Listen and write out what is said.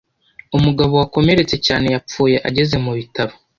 Umugabo wakomeretse cyane yapfuye ageze mu bitaro.